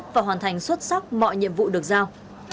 và hoàn thành xuất sắc mọi nhiệm vụ được giao